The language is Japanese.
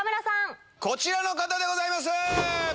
こちらの方でございます。